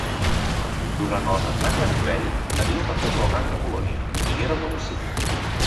Durant el regnat de Tiberi havia perdut el rang de colònia i era municipi.